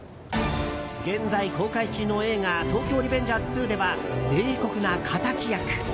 現在公開中の映画「東京リベンジャーズ２」では冷酷な敵役。